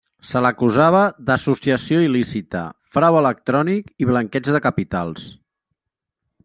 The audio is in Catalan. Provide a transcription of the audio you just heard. Se l'acusava d'associació il·lícita, frau electrònic i blanqueig de capitals.